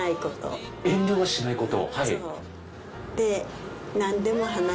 遠慮はしないこと。